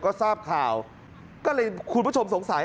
ก็ทราบข่าวก็เลยคุณผู้ชมสงสัย